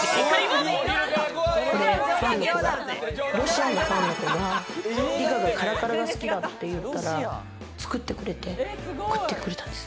ロシアのファンの子が、梨香がカラカラが好きだって言ったら、作ってくれて送ってくれたんです。